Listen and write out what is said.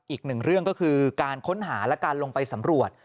อีกหนึ่งเรื่องก็คือการค้นหาและการลงไปสำรวจ